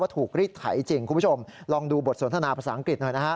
ถูกรีดไถจริงคุณผู้ชมลองดูบทสนทนาภาษาอังกฤษหน่อยนะฮะ